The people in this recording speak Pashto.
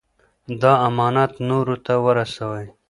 دا امانت نورو ته ورسوئ.